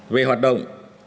về hoạt động